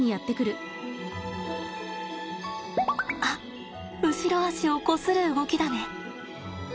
あっ後ろ足をこする動きだね。